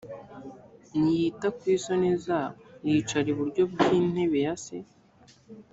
ntiyita ku isoni zabo yicara iburyo bw’ intebe yase.